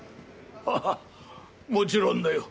ああもちろんだよ。